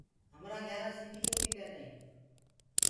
همرآ گھِيآرآ سنڌي ٽوپيٚ پيردآ هينٚ۔